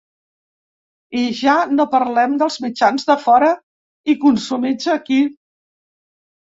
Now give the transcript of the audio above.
I ja no parlem dels mitjans de fora i consumits aquí.